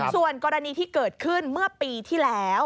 ส่วนกรณีที่เกิดขึ้นเมื่อปีที่แล้ว